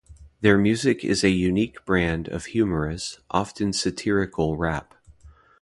Their music is a unique brand of humorous, often satirical rap.